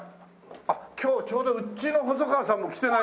あっ今日ちょうどうちの細川さんも来てないんだ。